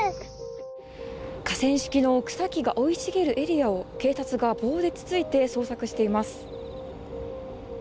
河川敷の草木が生い茂るエリアを警察が棒でつついて捜索しています。